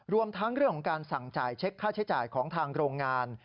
รวมทั้งเรื่องของการสั่งจ่ายเช็คค่าใช้จ่ายของทางโรงงาน